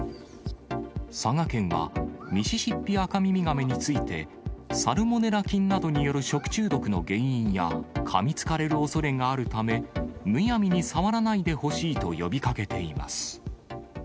佐賀県は、ミシシッピアカミミガメについて、サルモネラ菌などによる食中毒の原因や、かみつかれるおそれがあるため、むやみに触らないでほしいと呼びかけています。